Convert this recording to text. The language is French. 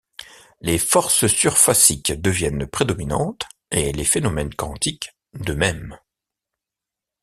Les forces surfaciques deviennent prédominantes et les phénomènes quantiques de même.